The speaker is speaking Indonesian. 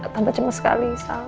tante cemas sekali sal